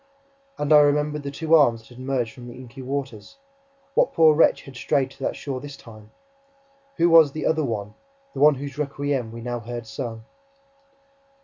And I remembered the two arms that had emerged from the inky waters... What poor wretch had strayed to that shore this time? Who was 'the other one,' the one whose requiem we now heard sung?